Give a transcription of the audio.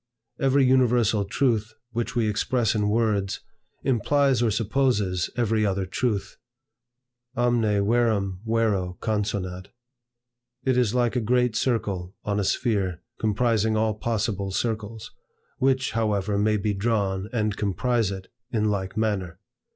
Every universal truth which we express in words, implies or supposes every other truth. Omne verum vero consonat. It is like a great circle on a sphere, comprising all possible circles; which, however, may be drawn, and comprise it, in like manner.